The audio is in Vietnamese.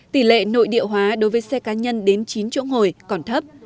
tỷ lệ nội địa hóa đối với xe cá nhân đến chín chỗ ngồi còn thấp